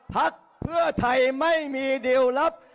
ถามเพื่อให้แน่ใจ